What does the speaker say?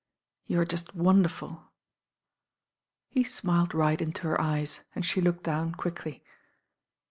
You tre ju»t wonderful." He tniiled right into her eyei, and the looked down quickly.